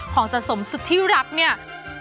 ของสะสมสุดที่รักเนี่ย